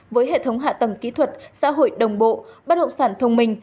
với hệ thống hạ tầng kỹ thuật xã hội đồng bộ bất động sản thông minh